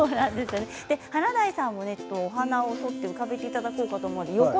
華大さんもお花を取って浮かべていただこうと思います。